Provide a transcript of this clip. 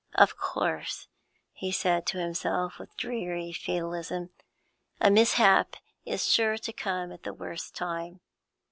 Of course he said to himself, with dreary fatalism a mishap is sure to come at the worst time.